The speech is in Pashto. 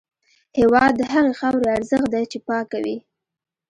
هېواد د هغې خاورې ارزښت دی چې پاکه وي.